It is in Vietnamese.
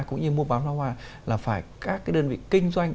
cũng như mua bán pháo hoa là phải các cái đơn vị kinh doanh